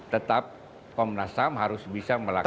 tetap komnas ham harus bisa melakukan